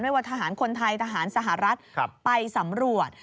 ว่าทหารคนไทยทหารสหรัฐไปสำรวจ